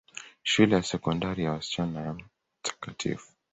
Shule ya Sekondari ya wasichana ya Mt.